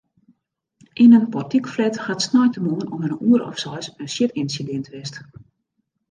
Yn in portykflat hat sneintemoarn om in oere of seis in sjitynsidint west.